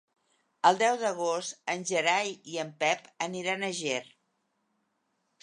El deu d'agost en Gerai i en Pep aniran a Ger.